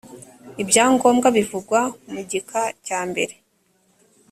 ibyangombwa bivugwa mu gika cya mbere